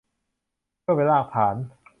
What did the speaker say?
เพื่อเป็นรากฐาน